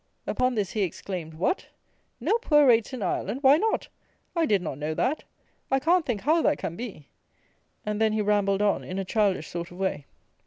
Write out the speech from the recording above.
Upon this he exclaimed, "What! no poor rates in Ireland! Why not? I did not know that; I can't think how that can be." And then he rambled on in a childish sort of way.